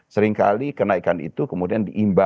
seringkali kenaikan itu kemudian dikira sebagai kenaikan